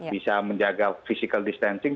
bisa menjaga physical distancing